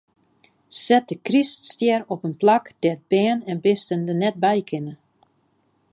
Set de kryststjer op in plak dêr't bern en bisten der net by kinne.